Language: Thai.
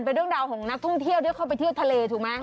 เป็นเรื่องราวของนักท่องเที่ยวที่เข้าไปเที่ยวทะเลถูกไหม